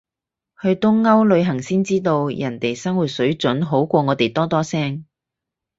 去東歐旅行先知道，人哋生活水準好過我哋多多聲